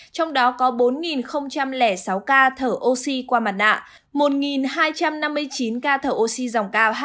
trong đó có bốn sáu ca thở oxy qua mặt nạ một hai trăm năm mươi chín ca thở oxy dòng cao